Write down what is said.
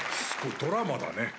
ドラマだね。